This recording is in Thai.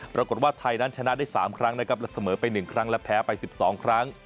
ปรากฏว่าไทยนั้นชนะได้๓ครั้งนะครับและเสมอไป๑ครั้งและแพ้ไป๑๒ครั้ง